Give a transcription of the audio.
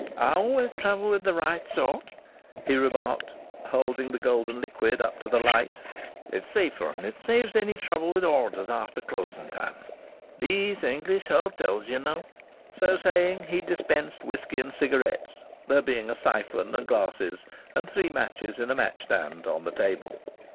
"I always travel with the right sort," he remarked, holding the golden liquid up to the light. "It's safer and it saves any trouble with orders after closing time.... These English hotels, you know !" So saying he dispensed whisky and cigarettes, there being a siphon and glasses, and three matches in a match stand, on the table.